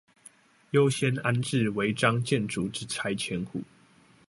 優先安置違章建築之拆遷戶